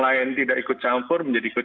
lain tidak ikut campur menjadi ikut